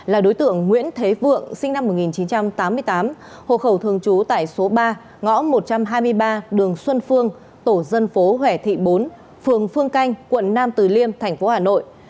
là đối tượng nguyễn thế vượng sinh năm một nghìn chín trăm tám mươi tám hộ khẩu thường trú tại số ba ngõ một trăm hai mươi ba đường xuân phương tổ dân phố hẻ thị bốn phường phương canh quận nam từ liêm thành phố hà nội